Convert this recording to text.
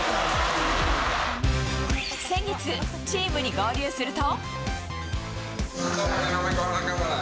先月、チームに合流すると。